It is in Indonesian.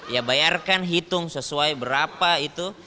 ya bayarkan hitung sesuai berapa itu